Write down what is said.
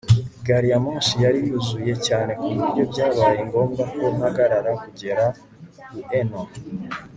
gari ya moshi yari yuzuye cyane ku buryo byabaye ngombwa ko mpagarara kugera ueno